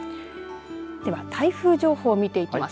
では台風情報を見ていきます。